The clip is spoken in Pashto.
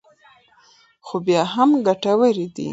خو بیا هم ګټورې دي.